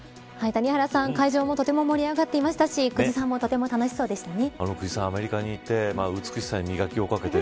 谷原さん、会場もとても盛り上がっていましたし久慈さんもとても楽しそうでしたね。